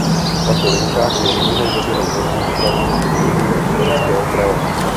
Tato linka je jedinou veřejnou lodní dopravou na území Libereckého kraje.